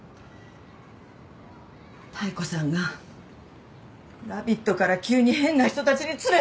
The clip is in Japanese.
妙子さんがラビットから急に変な人たちに連れ去られた！